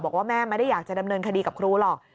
บอกว่าแม่ไม่ได้อยากจะดำเนินคดีกับครูหรอก